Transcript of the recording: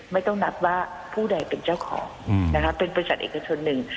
ไม่ต้องนับว่าผู้ใดเป็นเจ้าของนะคะเป็นบริษัทเอกชนหนึ่ง